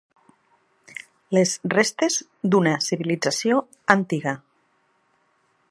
Les restes d'una civilització antiga.